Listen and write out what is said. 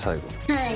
はい。